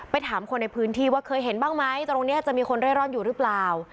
ถามคนในพื้นที่ว่าเคยเห็นบ้างไหมตรงนี้จะมีคนเร่ร่อนอยู่หรือเปล่า